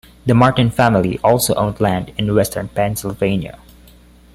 The Martin family also owned land in western Pennsylvania.